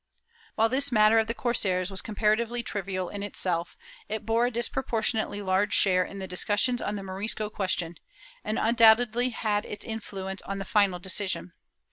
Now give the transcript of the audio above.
* While this matter of the corsairs was comparatively trivial in itself, it bore a disproportionately large share in the discussions on the Morisco question, and undoubtedly had its influence on the final decision.